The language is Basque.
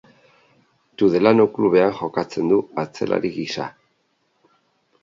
Tudelano klubean jokatzen du atzelari gisa.